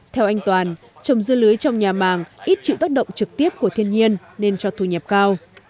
theo anh toàn trồng dưa lưới trong nhà màng ít chịu tác động trực tiếp của thiên nhiên nên cho thu nhập cao